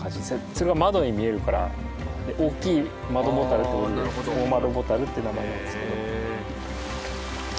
それが窓に見えるから大きい窓ボタルというオオマドボタルって名前なんですけど。